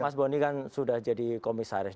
mas boni kan sudah jadi komisaris